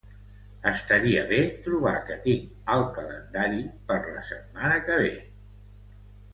Estaria bé trobar què tinc al calendari per la setmana que ve.